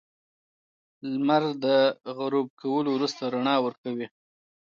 • لمر د غروب کولو وروسته رڼا ورکوي.